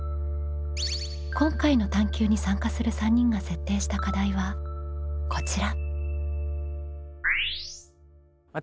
今回の探究に参加する３人が設定した課題はこちら。